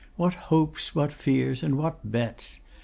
What hopes, what fears, and what bets!